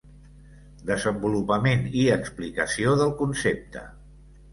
Desenvolupament i explicació del concepte.